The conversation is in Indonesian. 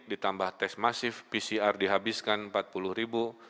ditambah tes masif pcr dihabiskan rp empat puluh